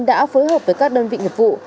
đã phối hợp với các đơn vị nhuệp vụ